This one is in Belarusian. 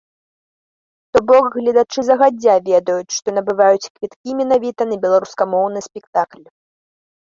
То бок гледачы загадзя ведаюць, што набываюць квіткі менавіта на беларускамоўны спектакль.